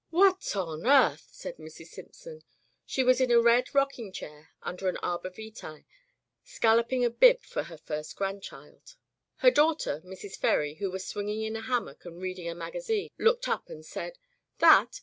"What on earth!" said Mrs. Simpson. She was in a red rocking chair under an arbor vitae scalloping a bib for her first grandchild. Her daughter, Mrs. Ferry, who was swinging in a hammock and reading a magazine, looked up and said: "That?